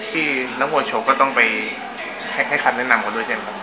พี่นักมัวชกก็ต้องไปให้คันแนะนำกันด้วยใช่ไหมค่ะ